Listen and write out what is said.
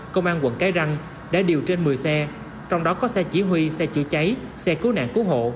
công an quận cái răng đã điều trên một mươi xe trong đó có xe chỉ huy xe chữa cháy xe cứu nạn cứu hộ